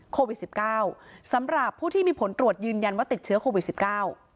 โควิดสิบเก้าสำหรับผู้ที่มีผลตรวจยืนยันว่าติดเชื้อโควิดสิบเก้า